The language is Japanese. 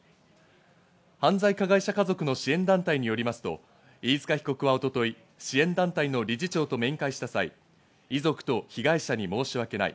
犯罪加害者家族の支援団体によりますと、飯塚被告は一昨日、支援団体の理事長と面会した際、遺族と被害者に申し訳ない。